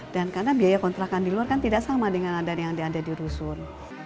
dan karena biaya kontrakan di luar kan tidak sama dengan yang ada di rusun